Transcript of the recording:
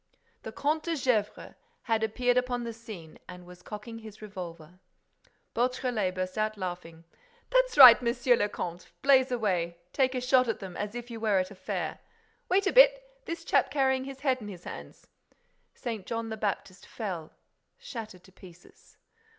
The Comte de Gesvres had appeared upon the scene and was cocking his revolver. Beautrelet burst out laughing: "That's right, Monsieur le Comte, blaze away!—Take a shot at them, as if you were at a fair!—Wait a bit—this chap carrying his head in his hands—" St. John the Baptist fell, shattered to pieces.